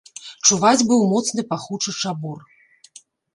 Чуваць быў моцны пахучы чабор.